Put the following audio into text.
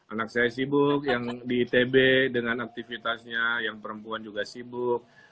anak saya sibuk yang di itb dengan aktivitasnya yang perempuan juga sibuk